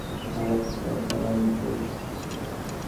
আর একটা সাবানের কেস।